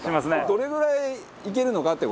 どれぐらいいけるのかって。